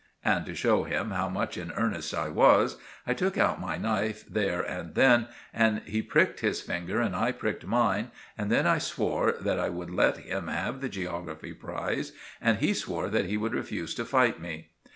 And to show him how much in earnest I was, I took out my knife there and then, and he pricked his finger and I pricked mine, and then I swore that I would let him have the geography prize, and he swore that he would refuse to fight me.